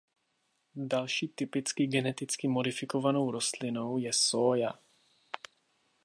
Další typickou geneticky modifikovanou rostlinou je sója.